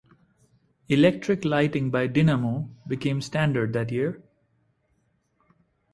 Electric lighting by dynamo became standard that year.